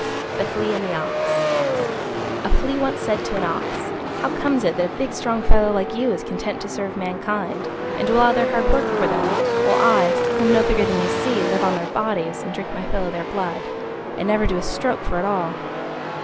THE FLEA AND THE OX A Flea once said to an Ox, "How comes it that a big strong fellow like you is content to serve mankind, and do all their hard work for them, while I, who am no bigger than you see, live on their bodies and drink my fill of their blood, and never do a stroke for it all?"